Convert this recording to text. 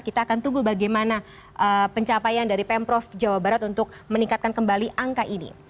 kita akan tunggu bagaimana pencapaian dari pemprov jawa barat untuk meningkatkan kembali angka ini